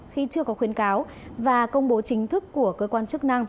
khi chưa có khuyến cáo và công bố chính thức của cơ quan chức năng